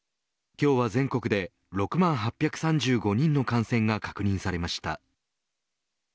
今日は全国で６万８３５人の感染が確認されました。